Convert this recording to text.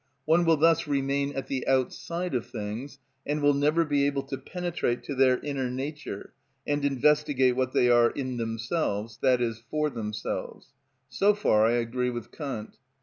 One will thus remain at the outside of things, and will never be able to penetrate to their inner nature and investigate what they are in themselves, i.e., for themselves. So far I agree with Kant.